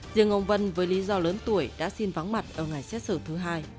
riêng ông vân với lý do lớn tuổi đã xin vắng mặt ở ngày xét xử thứ hai